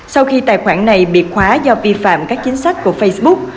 sau khi tài khoản này bị khóa do vi phạm các chính sách của facebook